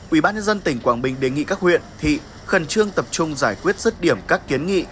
ubnd tỉnh quảng bình đề nghị các huyện thị khẩn trương tập trung giải quyết rứt điểm các kiến nghị